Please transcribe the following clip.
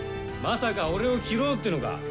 まさか俺を斬ろうっていうのか？